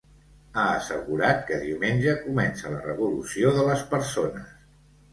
Ha assegurat que diumenge comença la revolució de les persones.